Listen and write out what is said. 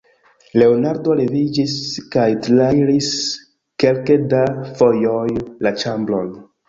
Leonardo leviĝis kaj trairis kelke da fojoj la ĉambron.